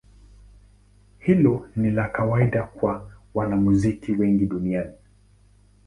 Hilo ni la kawaida kwa wanamuziki wengi duniani.